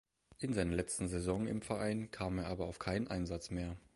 In seiner letzten Saison im Verein kam er aber auf keinen Einsatz mehr.